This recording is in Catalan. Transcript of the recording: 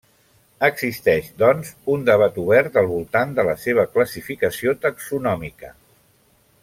Existeix, doncs, un debat obert al voltant de la seva classificació taxonòmica.